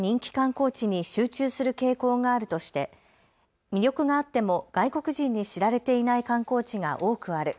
また古屋教授は一部の人気観光地に集中する傾向があるとして魅力があっても外国人に知られていない観光地が多くある。